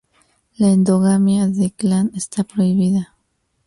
La endogamia de clan está prohibida.